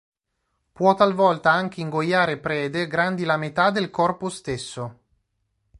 Può talvolta anche ingoiare prede grandi la metà del corpo stesso.